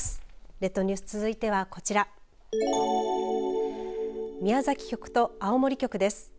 列島ニュース続いてはこちら宮崎局と青森局です。